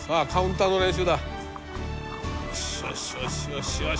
よしよしよしよしよし！